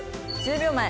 １０秒前。